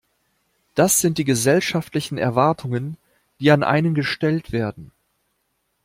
Das sind die gesellschaftlichen Erwartungen, die an einen gestellt werden.